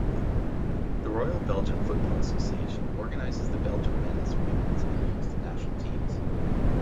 The Royal Belgian Football Association organizes the Belgium men's, women's and youth national teams.